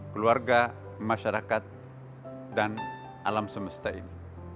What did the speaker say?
keluarga masyarakat dan alam semesta ini